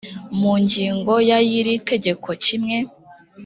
mu ngingo ya y iri tegeko kimwe